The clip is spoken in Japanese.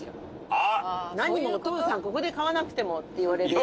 何もお父さんここで買わなくてもって言われるやつ。